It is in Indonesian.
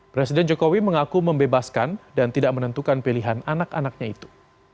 presiden jokowi mengaku membebaskan dan tidak menentukan pilihan anak anaknya itu